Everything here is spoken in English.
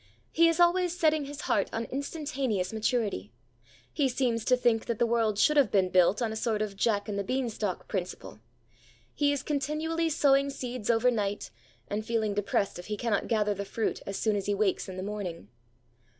He is always setting his heart on instantaneous maturity. He seems to think that the world should have been built on a sort of Jack and the beanstalk principle. He is continually sowing seeds overnight, and feeling depressed if he cannot gather the fruit as soon as he wakes in the morning.